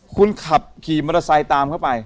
คุณขับขี่มอเตอร์ไซค์ตามเข้าไป